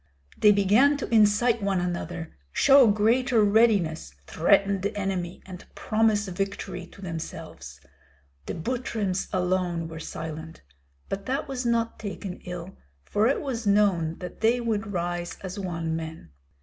They began to incite one another, show greater readiness, threaten the enemy, and promise victory to themselves. The Butryms alone were silent; but that was not taken ill, for it was known that they would rise as one man.